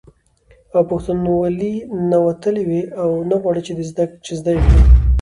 او پښتنوالي نه وتلي وي او نه غواړي، چې زده یې کړي